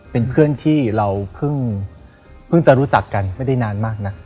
เป็นเพื่อนที่เราเพิ่งจะรู้จักกันไม่ได้นานมากนะ